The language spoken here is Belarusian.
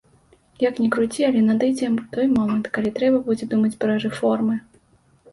Як ні круці, але надыдзе той момант, калі трэба будзе думаць пра рэформы.